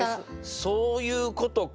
そういうことか。